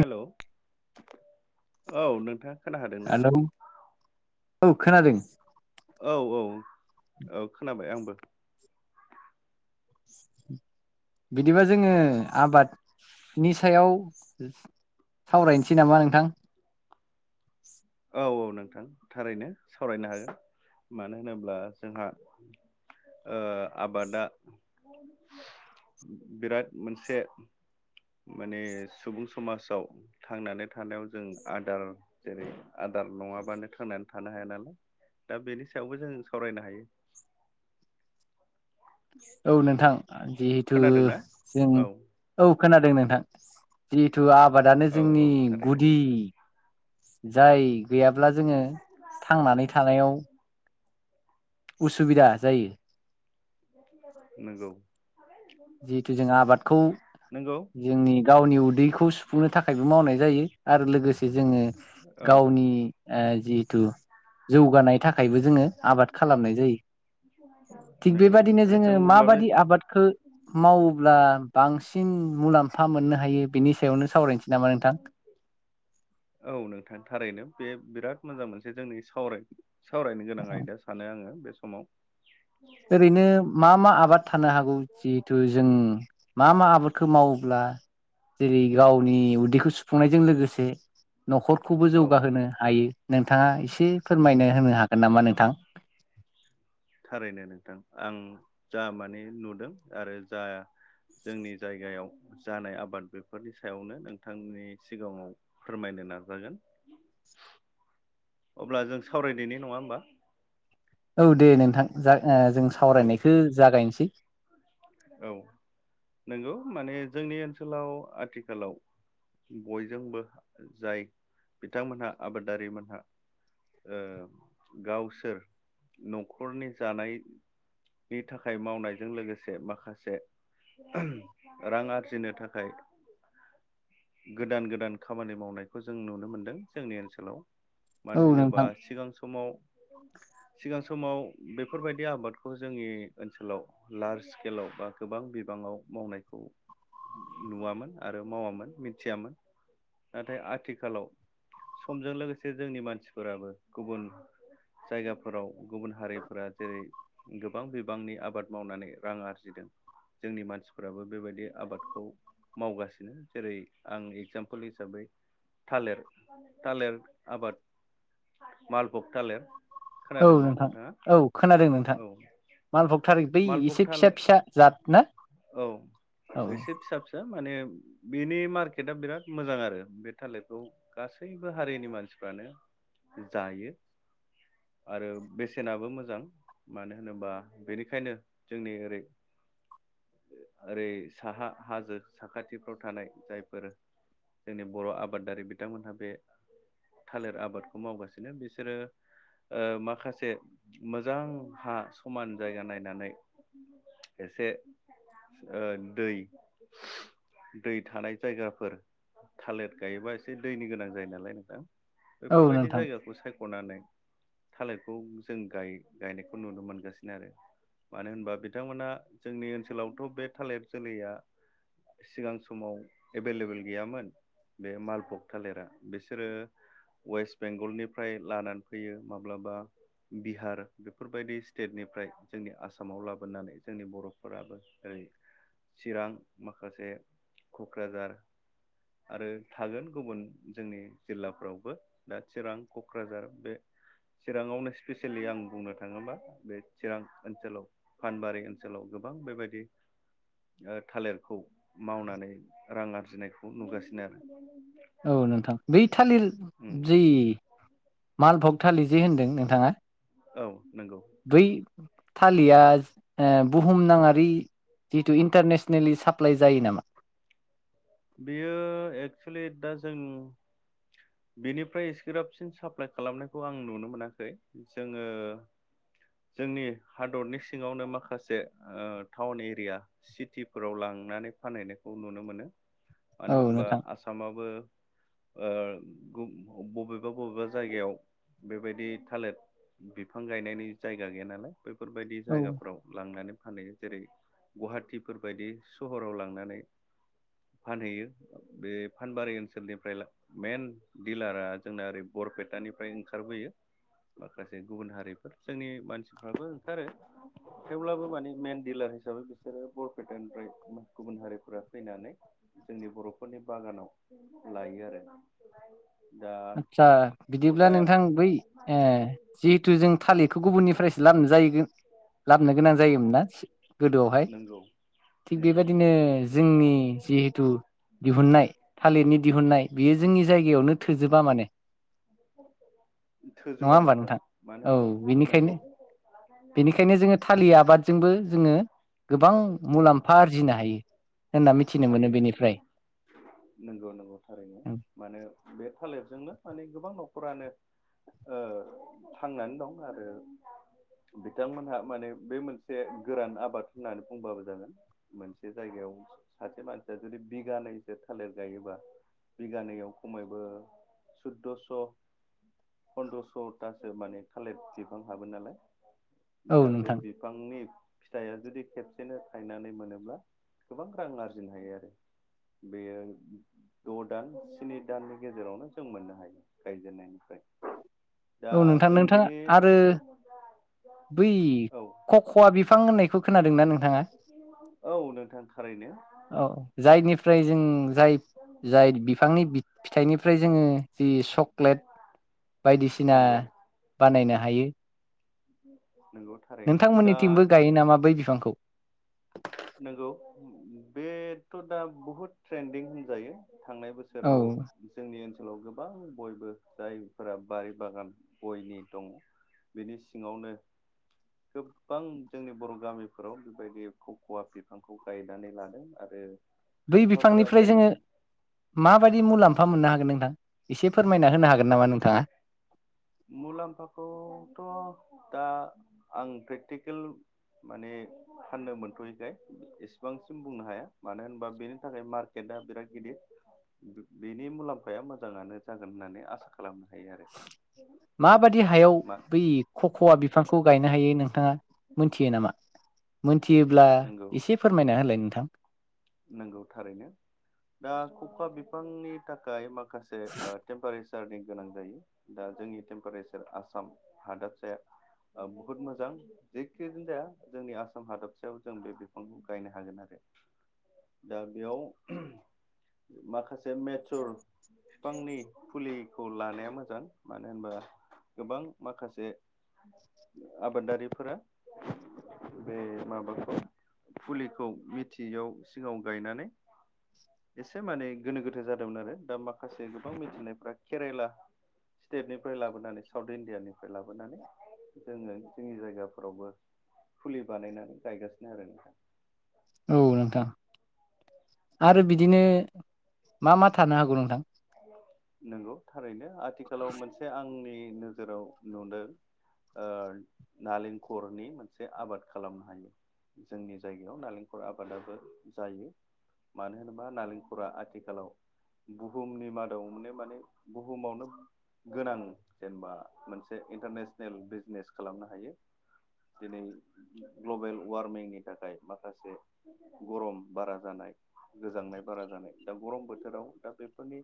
Hello औ नोंथा hello औ खोनादों औ औ औ खोनाबाय आंबो। बिदिबा जोङो आबादनि सायाव सावरायनोसै नामा नोंथां? औ औ नोंथां थारैनो सावरायनो हागोन मानो होनोब्ला जोंहा ओ आबाद दा बिराद मोनसे माने सुबुं समाजाव थांनानै थानायाव जों आदार जेरै आदार नङाबानो थांनानै थानो हाया नालाय दा बेनि सायावबो जों सावरायनो हायो। [inaudible] औ नोंथां जिहेथु खोनादोंना? जों औ औ खोनादों नोंथां। जिहेथु आबादानो औ औ जोंनि थारैनो गुदि जाय गैयाब्ला जोङो थांनानै थानायाव उसुबिदा जायो। नोंगौ। जिहेथु जोङो आबादखौ जोंनि गावनि उदैखौ सुफुंनो थाखायबो मावनाय जायो आरो लोगोसे जोङो औ गावनि ओ जिहेथु जौगानायनि थाखायबो जोङो आबाद खालामनाय जायो। थिग नंगौ बेबादिनो नोंथां जोङो जों अब्ला बे माबादि आबादखौ मावोब्ला बांसिन मुलाम्फा मोननो हायो बेनि सायावनो सावरायनोसै नोंथां? औ नोंथां थारैनो बे बिराद मोजां मोनसे जोंनि साव सावरायनो गोनां आयदा। सानो आङो बे समाव। ओरैनो मा मा आबाद थानो हागौ जिहेथु जों मा मा आबादखौ मावोब्ला जेरै गावनि उदैखौ सुफुंनायजों लोगोसे न'खरखौबो औ जौगाहोनो हायो नोंथाङा एसे फोरमायनो होनो हागोन नामा नोंथां? थारैनो नोंथां आं जा माने नुदों आरो जा जोंनि जायगायाव जानाय आबाद बेफोरनि सायावनो नोंथांनि सिगाङाव फोरमायनो नाजागोन। [inaudible] अब्ला जों सावरायदोनि नङा होमबा? औ दे नोंथां जा ओ जों औ सावरायनायखौ जागायनोसै। औ नंगौ माने जोंनि ओनसोलाव आथिखालाव बयजोंबो जाय बिथांमोनहा आबादारिमोनहा ओ गावसोर न'खरनि जानाय नि थाखाय मावनायजों लोगोसे माखासे रां आरजिनो थाखाय गोदान गोदान खामानि मावनायखौ जों नुनो मोनदों जोंनि ओनसोलाव। मानो औ होनोबा नोंथां सिगां समाव सिगां समाव बेफोरबादि आबाद खौ जोंनि ओनसोलाव लार्ज स्केलाव बा गोबां बिबाङाव मावनायखौ नुवामोन आरो मावामोन मिथियामोन नाथाय आथिखालाव समजों लोगोसे जोंनि मानसिफोराबो गुबुन जायगा फोराव गुबुन हारिफोरा जेरै गोबां बिबांनि आबाद मावनानै रां आरजिदों जोंनि मानसिफ्राबो बेबायदि आबादखौ मावगासिनो जेरै आं एगजामपोल हिसाबै थालिर थालिर आबाद मालभग थालेर औ खोनादोंना नोंथां नोंथाङा औ खोनादों नोंथां औ मालभग थालिर बै मालभग एसे फिसा थालिर फिसा जाद ना औ औ एसे फिसा फिसा माने बिनि मार्केटआ बिराद मोजां आरो बे थालिरखौ गासैबो हारिनि मानसिफ्रानो जायो आरो बेसेनाबो मोजां मानो होनोबा बेनिखायनो जोंनि ओरै ओरै साहा हाजो साखाथिफ्राव थानाय जायफोर जोंनि बर' आबादारि बिथांमोनहा बे थालिर आबादखौ मावगासिनो बिसोरो ओ माखासे मोजां हा समान जायगा नायनानै एसे ओ दै दै थानाय जायगाफोर थालिर गायोबा एसे दैनि गोनां जायो नालाय नोंथां औ बेफोरबायदि नोंथां जायगाखौ सायख'नानै थालिरखौ जों गायो गायनाय खौ नुनो मोनगासिनो आरो मानो होनबा बिथांमोना जोंनि ओनसोलावथ' बे थालिर जोलैया सिगां समाव एभेलेबोेल गैयामोन बे मालबग थालिरा बिसोरो वेस्ट बेंगलनिफ्राय लानानै फैयो माब्लाबा बिहार बेफोरबायदि स्टेटनिफ्राय जोंनि आसामाव लाबोनानै जोंनि बर'फोराबो ओरै चिरां माखासे क'क्राझार आरो थागोन गुबुन जोंनि जिल्लाफ्रावबो दा चिरां क'क्राझार बे चिराङावनो स्पेसियेलि आं बुंनो थाङो थाङोबा बे चिरां ओनसोलाव फानबारि ओनसोलाव गोबां बेबायदि ओ थालिरखौ मावनानै रां आरजिनायखौ नुगासिनो आरो औ नोंथां बै थालिर उम जि मालभग थालिर जे होनदों नोंथाङा औ नंगौ बै थालिया बुहुम नांङारि जिथु इन्टारनेसनेलि साप्लााय जायो नामा बियो एक्सुलि दा जों बिनिफ्राय इसिग्राबसिन साप्लाइ खालामनायखौ आं नुनो मोनाखै जोङो जोंनि हादरनि सिङावनो माखासे ओ टाउन एरिया सिटिफोराव लांनानै फानहैनायखौ नुनो मोनो मानो औ होनबा नोंथां आसामाबो ओ बबेबा बबेबा जायगायाव बेबायदि थालेर बिफां गायनायनि जायगा गैया नालाय बैफोरबायदि औ जायगाफ्राव लांनानै फानहैयो जेरै गुवाहाटिफोरबायायदि सहराव लांनानै फानहैयो बे फानबारि ओनसोलनिफ्राय मेन दिडिलारा जोंना ओरै बरपेटानिफ्राय ओंखारबोयो माखासे गुबुन हारिफोर जोंनि मानसिफ्राबो ओंखारो थेवब्लाबो माने मेन डिलार हिसाबै बिसोरो बरपेटानिफ्राय गुबुन हारिफोरा फैनानै जोंनि बर'फोरनि बागानाव लायो आरो दा आदसा बिदिब्ला खरसाया नोंथां बै ओ जिहेथु जों थालिर बेखौ गुबुननिफ्रायसो लाबोन लाबोनो गोनां ना गोदोआवहाय नंगौ थिग नंगौ बेबायदिनो जोंनि जिहिथु दिहुननाय थालिरनि दिहुननाय बियो जोंनि जायगायावनो थोजोबा माने नङा थोजोबा होमबा नोंथां मानो औ होनोब्ला नंगौ बेनिखायनो बेनिखायनो जोङो थालिथ आबादजोंबो जोङो गोबां मुलाम्फा आरजिनो हायो होनना मिथिनो मोनो बेनिफ्राय नोंगौ नोंगौ थारैनो मानो बे थालेरजोंनो माने गोबां नखरानो ओ थांनानै दं आरो बिथांमोनहा माने बे मोनसे गोरान आबाद होन्नानै बुंबाबो जागोन मोनसे जायगायाव सासे मानसिआ जुदि बिगानैसो थालिर गायोबा बिगानैआव खमैबो सुद'स फन्द्रस'थासो माने थालिथ फुलि फानहाबा नालाय औ दा बे नोंथां बिफां बिफांनि फिथाइया जुदि खेबसेनो थायनानै मोनोब्ला गोबां रां आरजिनो हायो आरो बेयो द' दान स्नि दाननि गेजेरावनो जों मोननो हायो गायजेननायनिफ्राय दा औ नोंथां जों नोंथांआ बेनि आरो बै औ कक'वा बिफां होननायखौ खोनादोंना नोंथाङा औ नोंथां थारैनो औ जायनिफ्राय जों जाय जाय बिफांनि बि‌ फिथाइनिफ्राय जोङो जि चक्लेट बायदिसिना नंगौ बानायनो हायो नोंगौ नोंथां नोंथांमोननिथिंबो गायो नामा बै बिफांखौ नोंगौ बेथ' दा बुहुद ट्रेन्दिं होनजायो थांनाय बोसोर औ जेराव जोंनि ओनसोलाव गोबां बयबो जायफोरा बारि बागान गयनि दङ बिनि सिंआवनो गोबां जोंनि बर' गामिफोराव बेबायदि क'कवा बिफांखौ गायनानै लादों आरो बै खायफाफोरा बिफांनिफ्राय जाय जोङो माबायदि मुलाम्फा मोननो हागोन नोंथां एसे फोरमायना होनो हागोन नामा नोंथांआ मुलाम्फाखौथ' दा आं प्रेकटिकेल माने फाननो मोनथ'यैखाय एसेबांसिम बुंनो हाया मानो होनबा बेनि थाखाय मार्क गेटा बिराद गिदिर बेनि मुलाम्फाया मोजांआनो जागोन होननानै आसा‌ खालामो खालामनो हायो आरो माबादि हायाव मा बै कक'वा बिफांखौ गायनो हायो नोंथांआ मोनथियो नामा मोनथियोब्ला नंगौ एसे फोरमायना होलाय नोंथां नोंगौ थारैनो दा कक'वा बिफांनि थाखाय माखासे ओ टेम्पारेसार रनि गोनां जायो दा जोंनि टेम्पारेसार आसाम हादाबसाया ओ बुहुत मोजां जेखिनानो जाया जोंनि आसाम हादबसायाव जों बे बिफांखौ गायनो हागोन आरो दा बेयाव माखासे मेसर फिफांनि फुलिखौ लानाया मोजां मानो होनबा गोबां माखासे आबादारिफोरा बे माबाखौ फुलिखौ मिथिआव सिगांआव गायनानै एसे मानि गोनो गोथो जादोंमोन आरो दा माखासे गोबां मिथिनायफ्रा केरेला स्टेटनिफ्राय लाबोनानै साउथ इण्डियानिफ्राय लाबोनानै जोङो जोंनि जायगाफोरावबो फुलि बानायनानै गायगासिनो आरो नोंथां औ नोंथां। आरो बिदिनो मा मा थानो हागौ नोंथां? नंगौ थारैनो आथिखालाव मोनसे आंनि नोजोराव। नुदों ओ नालेंखरनि मोनसे आबाद खालामनो हायो। जोंनि जायगायाव नालेंखल आबादाबो जायो। मानो होनोबा नालेंखरा आथिखालाव गु बुहुमनि मादाव माने बुहुमावनो गोनां जेनेबा मोनसे इन्टारनेसनेल बिजनेस खालामनो हायो। दिनै ग्लबेल वार्मिंनि थाखाय माखासे। गरम बारा जानाय गोजांनाय बारा जानाय दा गरम बोथोराव दा बे फोरनि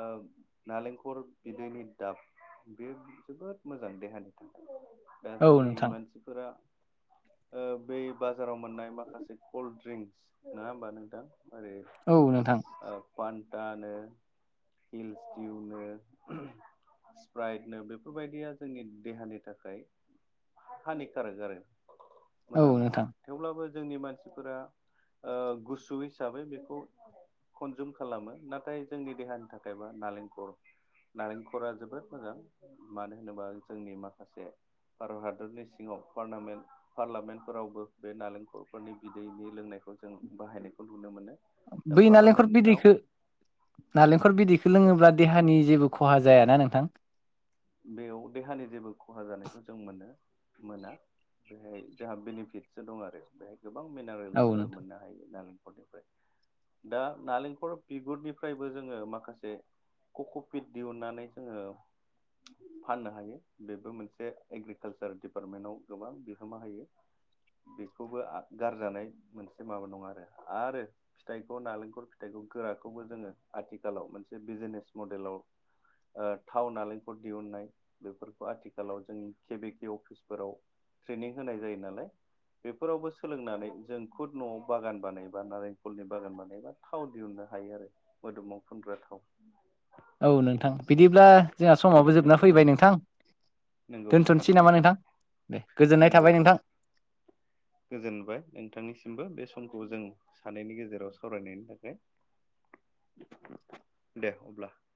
ओ। [unintelligible] नालेंखल बिदैनि दाब बे जोबोद मोजां देहानि थाखाय। दा औ जोंनि नोंथां मानसिफोरा। ओ बै बाजाराव मोननाय माखासे कल्ड ड्रिंक्स नङा होमबा नोंथां मोरै। औ नोंथां। औ पानटानो। हिलसटिउनो। स्प्राइटनो बेफोरबायदिया जोंनि देहानि थाखाय। हानिकारोक आरो औ मोजां नङा। नोंथां थेवब्लाबो जोंनि मानसिफोरा ओ गुसु हिसाबै बेखौ कनजुम खालामो नाथाय जोंनि देहानि थाखायबा नालेंखर नारेंखरा जोबोद मोजां मानो होनोबा जोंनि माखासे। भारत हादरनि सिङाव पारनामेन। पारलामेन्टफोरावबो बे नालेंखलफोरनि बिदैनि लोंनायखौ जों बाहायनायखौ नुनो मोनो। दा पारलामेन्टाव। नालेंखल बिदैखौ लोङोब्ला देहानि जेबो खहा जायाना नोंथां? बेव देहानि जेबो खहा जानायखौ जों मोनो मोना। बेहाय जोंहा बेनिफिटसो दं आरो बेहाय गोबां औ मिनारेल्सफोर मोननो हायो नालेंखलनिफ्राय। दा नालेंखर बिगुरनिफ्रायबो जोङो माखासे। ककपिट दिहुननानै जोङो। फाननो हायो बेबो मोनसे एग्रिकालसार दिडिपार्टमेन्टाव गोबां बिहोमा होयो। बेखौबो आ गारजानाय मोनसे माबा नङा आरो आरो फिथाइखौ नालेंखल फिथाइखौ गोराखौबो जोङो आथिखालाव मोनसे बिजनेस मडेलाव ओ थाव नालें दिहुननाय बेफोरखौ आथिखालाव जोंनि केबिके अफिसफोराव ट्रेनिं होनाय जायो नालाय बेफोरावबो सोलोंनानै जों खुद न'आव बागान बानायबा नारेंखलनि बागान बानायबा थाव दिहुननो हायो आरो मोदोमाव फुनग्रा थाव। औ नोंथां बिदिब्ला जोङा समाबो जोबना फैबाय नोंथां नंगौ दोनथ'सै थारैनो नामा नोंथां? दे गोजोननाय नंगौ थाबाय नोंथां गोजोनबाय नोंथांनिसिमबो बे समखौ जों सानैनि गेजेराव सावरायनायनि थाखाय। दे अब्ला